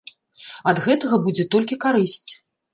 Ад гэтага будзе толькі карысць.